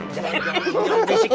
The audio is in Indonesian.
jahe mere ya ceng